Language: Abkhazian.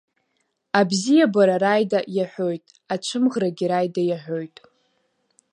Абзиабара Раида иаҳәоит, ацәымӷрагьы Раида иаҳәоит…